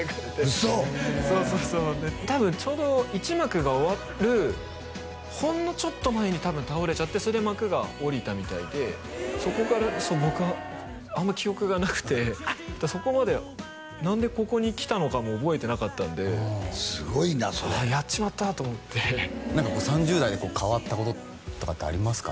そうそうそうでたぶんちょうど１幕が終わるほんのちょっと前にたぶん倒れちゃってそれで幕が下りたみたいでそこからそう僕はあんまり記憶がなくてそこまで何でここに来たのかも覚えてなかったんですごいなそれああやっちまったと思ってなんか３０代でこう変わったこととかってありますか？